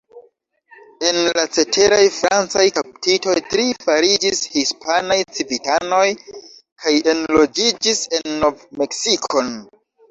El la ceteraj francaj kaptitoj, tri fariĝis hispanaj civitanoj kaj enloĝiĝis en Nov-Meksikon.